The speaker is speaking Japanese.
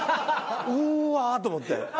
うーわと思って。